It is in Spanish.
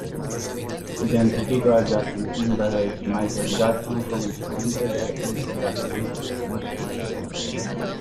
Identificó a Justin Timberlake y Michael Jackson como fuente de inspiración musical.